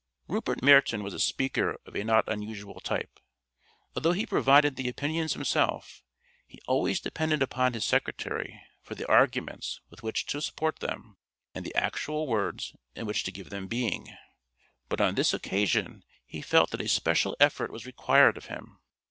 Rupert Meryton was a speaker of a not unusual type. Although he provided the opinions himself, he always depended upon his secretary for the arguments with which to support them and the actual words in which to give them being. But on this occasion he felt that a special effort was required of him.